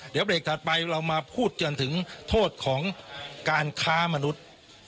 เดี๋ยวเบรกถัดไปเรามาพูดกันถึงโทษของการค้ามนุษย์